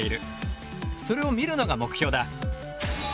それを見るのが目標だ。